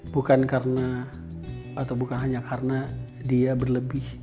bukan karena atau bukan hanya karena dia berlebih